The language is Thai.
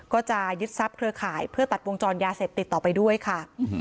ก็จะยึดทรัพย์เครือข่ายเพื่อตัดวงจรยาเสพติดต่อไปด้วยค่ะ